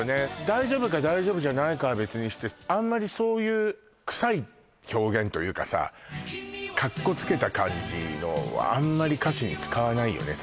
大丈夫か大丈夫じゃないかは別にしてあんまりそういうクサい表現というかさカッコつけた感じのはあんまり歌詞に使わないよね